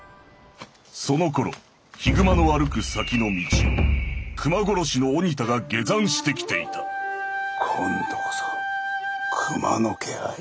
そのころ悲熊の歩く先の道を熊殺しの鬼田が下山してきていた今度こそ熊の気配？